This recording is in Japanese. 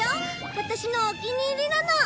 ワタシのお気に入りなの。